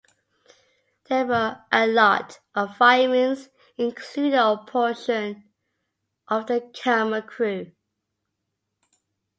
There were "a lot" of firings, including a portion of the camera crew.